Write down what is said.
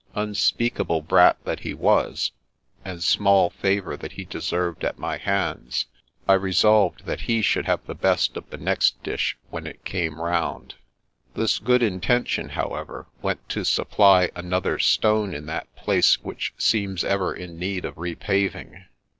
Unspeakable brat that he was, and small favour that he deserved at my hands, I reserved that he should have the best of the next dish when it came round. This good intention, however, went to supply an other stone in that place which seems ever in need of repaving.